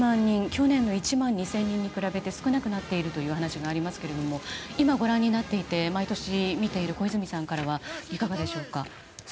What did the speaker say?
去年の１万２０００人に比べて少なくなっているという話がありますけれども毎年見ている小泉さんからはいかがでしょうか。